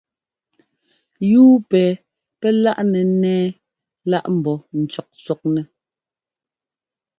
Yúu pɛ pɛ́ láꞌnɛ ńnɛ́ɛ lá ḿbɔ́ ńcɔ́kcɔknɛ́.